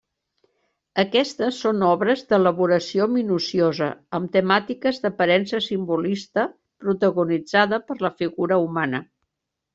Aquestes són obres d'elaboració minuciosa, amb temàtiques d'aparença simbolista protagonitzada per la figura humana.